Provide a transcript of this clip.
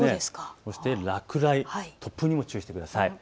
そして落雷、突風にも注意してください。